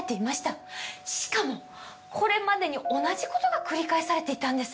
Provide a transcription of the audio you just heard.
しかもこれまでに同じ事が繰り返されていたんです。